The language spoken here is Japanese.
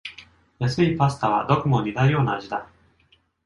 安いパスタはどこも似たような味だ